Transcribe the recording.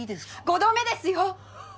５度目ですよ！